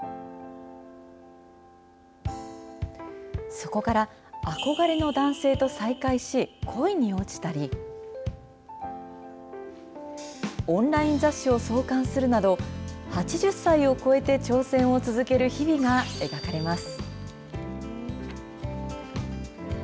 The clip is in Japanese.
そこから憧れの男性と再会し恋に落ちたりオンライン雑誌を創刊するなど８０歳を超えて挑戦を続ける日々が描かれます。